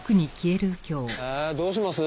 えどうします？